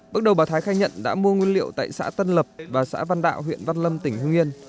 bước đầu bà thái khai nhận đã mua nguyên liệu tại xã tân lập và xã văn đạo huyện văn lâm tỉnh hưng yên